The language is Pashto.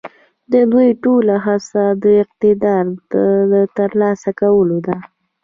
د دوی ټوله هڅه د اقتدار د تر لاسه کولو ده.